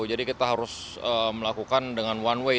jadi kita harus melakukan dengan one way